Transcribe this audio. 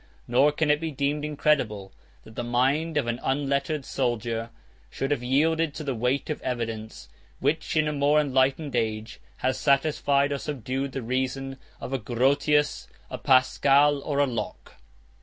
Nor can it be deemed incredible, that the mind of an unlettered soldier should have yielded to the weight of evidence, which, in a more enlightened age, has satisfied or subdued the reason of a Grotius, a Pascal, or a Locke.